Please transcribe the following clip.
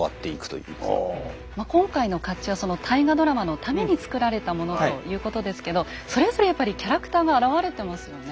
まあ今回の甲冑は大河ドラマのために作られたものということですけどそれぞれやっぱりキャラクターが表れてますよね。